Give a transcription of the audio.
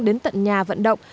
đến tận nhà vận động